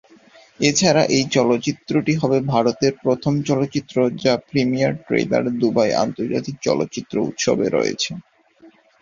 এছাড়া এই চলচ্চিত্রটি হবে ভারতের প্রথম চলচ্চিত্র যার প্রিমিয়ার ট্রেইলার দুবাই আন্তর্জাতিক চলচ্চিত্র উৎসবে রয়েছে।